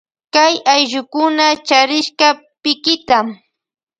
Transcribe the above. Kay allukuna charishka pikita.